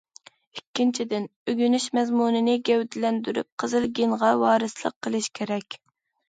ئىككىنچىدىن، ئۆگىنىش مەزمۇنىنى گەۋدىلەندۈرۈپ، قىزىل گېنغا ۋارىسلىق قىلىش كېرەك.